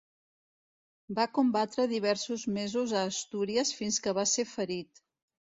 Va combatre diversos mesos a Astúries fins que va ser ferit.